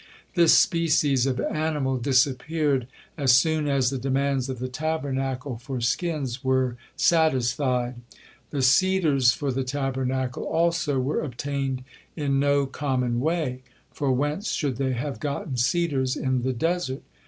This species of animal disappeared as soon as the demands of the Tabernacle for skins were satisfied. The cedars for the Tabernacle, also, were obtained in no common way, for whence should they have gotten cedars in the desert?